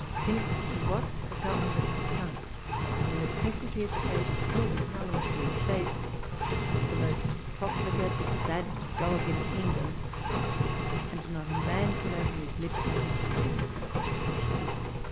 Think to what a government is sunk, when a Secretary of State is called in Parliament to his face " the most profligate sad dog in the kingdom," and not a man can open his lips in his defence.